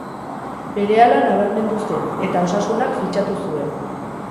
Berehala nabarmendu zen, eta Osasunak fitxatu zuen.